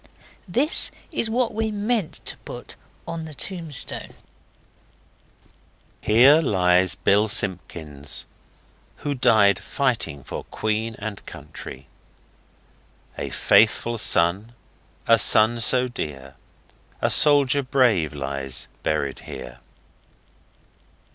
This is what we meant to put on the tombstone: 'Here lies BILL SIMPKINS Who died fighting for Queen and Country.' 'A faithful son, A son so dear, A soldier brave Lies buried here.